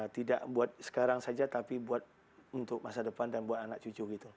tidak buat sekarang saja tapi buat untuk masa depan dan buat anak cucu gitu